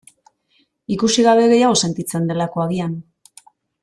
Ikusi gabe gehiago sentitzen delako, agian.